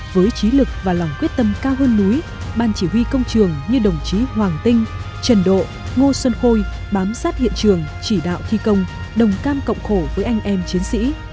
với trí lực và lòng quyết tâm cao hơn núi ban chỉ huy công trường như đồng chí hoàng tinh trần độ ngô xuân khôi bám sát hiện trường chỉ đạo thi công đồng cam cộng khổ với anh em chiến sĩ